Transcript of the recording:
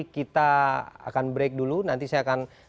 kita akan break dulu nanti saya akan